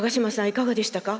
いかがでしたか？